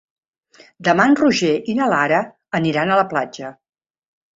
Demà en Roger i na Lara aniran a la platja.